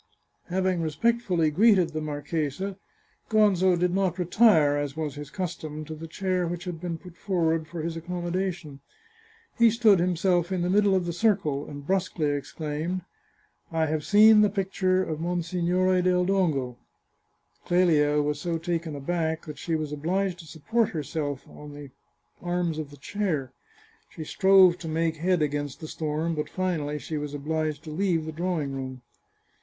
Having respectfully greeted the marchesa, Gonzo did not retire, as was his custom, to the chair which had been put forward for his accommodation. He stood himself in the middle of the circle, and brusquely exclaimed :" I have seen the picture of Monsignore del Dongo." Clelia was so taken aback that she was obliged to support herself on the arms of the chair; she strove to make head against the storm, but finally she was obliged to leave the drawing room.